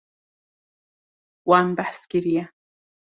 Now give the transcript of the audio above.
Wan behs kiriye.